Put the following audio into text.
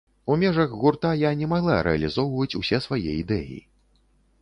У межах гурта я не магла рэалізоўваць усе свае ідэі.